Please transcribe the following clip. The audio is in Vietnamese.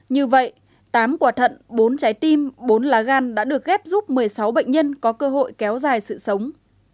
như vậy tám quả thận bốn trái tim bốn lá gan đã được ghép giúp một mươi sáu bệnh nhân có cơ hội kéo dài sự sống